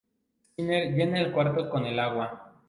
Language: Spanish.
Skinner llena el cuarto con el agua.